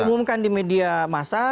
diumumkan di media masa